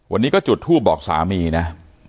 วันนี้ก็จุดทูปบอกสามีนะ